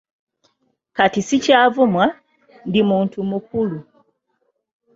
Kati sikyavumwa, ndi muntu mukulu.